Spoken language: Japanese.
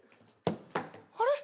あれ？